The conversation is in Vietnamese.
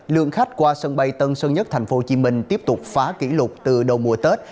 lượng khách qua sân bay tân sơn nhất tp hcm tiếp tục phá kỷ lục từ đầu mùa tết